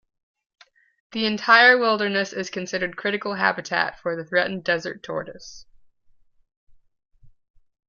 The entire wilderness is considered critical habitat for the threatened Desert Tortoise.